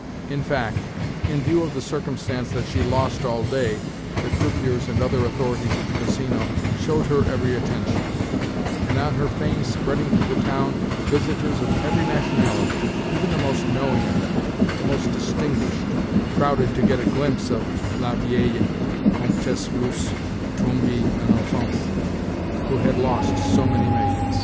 In fact, in, view of the circumstance that she lost all day, the croupiers and other authorities of the Casino showed her every attention; and on her fame spreading through the town, visitors of every nationality—even the most knowing of them, the most distinguished—crowded to get a glimpse of "la vieille comtesse russe, tombée en enfance," who had lost "so many millions."